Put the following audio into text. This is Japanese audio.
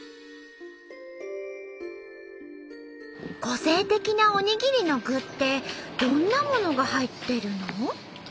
個性的なおにぎりの具ってどんなものが入ってるの？